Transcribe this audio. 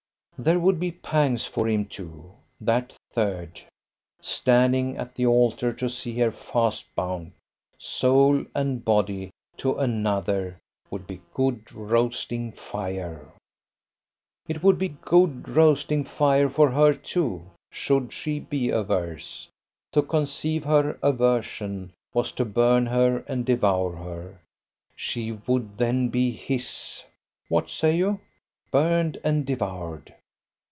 There would be pangs for him too, that Third! Standing at the altar to see her fast bound, soul and body, to another, would be good roasting fire. It would be good roasting fire for her too, should she be averse. To conceive her aversion was to burn her and devour her. She would then be his! what say you? Burned and devoured!